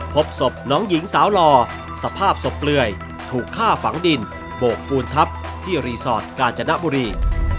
พบศพน้องหญิงสาวหล่อสภาพศพเปลือยถูกฆ่าฝังดินโบกปูนทับที่รีสอร์ทกาญจนบุรี